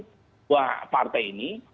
pertemuan dari partai ini